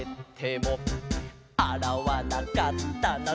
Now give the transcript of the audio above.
「あらわなかったな